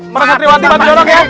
merasa triwati bapak dorong ya